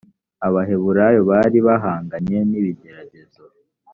abaheburayo bari bahanganye nibigeragezo .